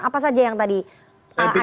apa saja yang tadi anda